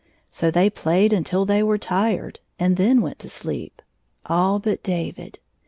So they played until they were tired, and then went to sleep — all but David.